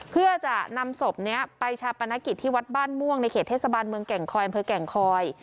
เพื่อจะนำศพนี้ไปชาปนกิจที่วัดบ้านม่วงในเขตเทศบาลเมืองแก่งคอยอำเภอแก่งคอย